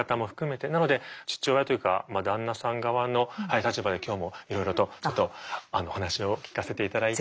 なので父親というか旦那さん側の立場で今日もいろいろとちょっとお話を聞かせて頂いて。